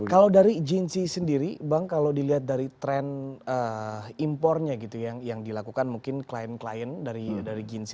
kalau dari jinsi sendiri bang kalau dilihat dari tren impornya gitu yang dilakukan mungkin klien klien dari ginsi